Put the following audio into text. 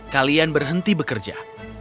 kalian berhenti bekerja